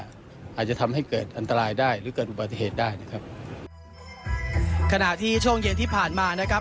อาจจะทำให้เกิดอันตรายได้หรือเกิดอุบัติเหตุได้นะครับขณะที่ช่วงเย็นที่ผ่านมานะครับ